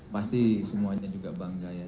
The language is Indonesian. pasti semuanya juga bangga ya